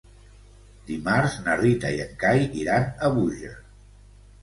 Dimarts na Rita i en Cai iran a Búger.